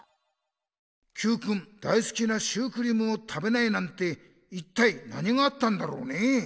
Ｑくん大すきなシュークリームを食べないなんて一体何があったんだろうね？